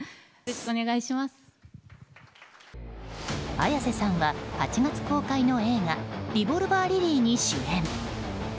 綾瀬さんは８月公開の映画「リボルバー・リリー」に主演。